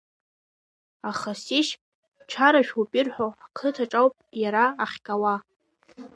Аха, сишь, чарашәоуп ирҳәо, ҳқыҭаҿ ауп иара ахьгауа.